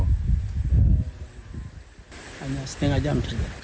hanya setengah jam saja